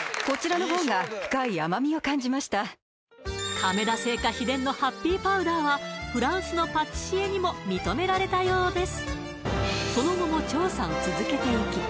亀田製菓秘伝のハッピーパウダーはフランスのパティシエにも認められたようです